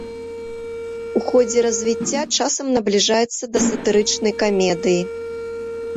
У ходзе развіцця часам набліжаецца да сатырычнай камедыі.